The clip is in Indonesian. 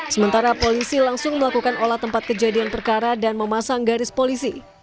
sementara polisi langsung melakukan olah tempat kejadian perkara dan memasang garis polisi